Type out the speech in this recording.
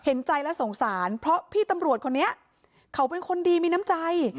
เห็นใจและสงสารเพราะพี่ตำรวจคนนี้เขาเป็นคนดีมีน้ำใจ